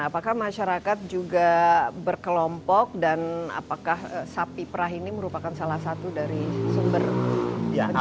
apakah masyarakat juga berkelompok dan apakah sapi perah ini merupakan salah satu dari sumber pencarian